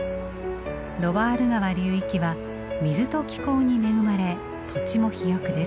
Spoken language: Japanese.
ロワール川流域は水と気候に恵まれ土地も肥沃です。